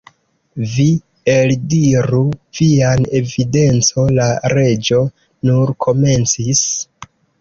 "Vi eldiru vian evidenco" la Reĝo nur komencis.